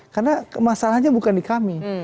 karena masalahnya bukan di kami